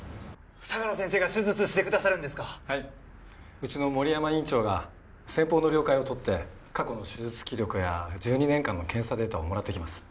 うちの森山院長が先方の了解を取って過去の手術記録や１２年間の検査データをもらってきます。